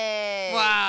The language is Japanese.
わあ